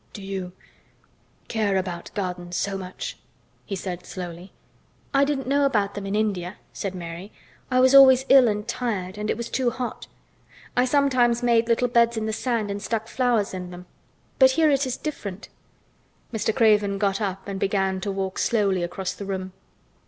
"Do you—care about gardens so much," he said slowly. "I didn't know about them in India," said Mary. "I was always ill and tired and it was too hot. I sometimes made little beds in the sand and stuck flowers in them. But here it is different." Mr. Craven got up and began to walk slowly across the room.